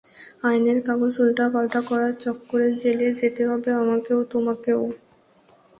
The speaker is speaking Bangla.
আইনের কাগজ উল্টাপাল্টা করার চক্করে জেলে যেতে হবে আমাকেও, তোমাকেও।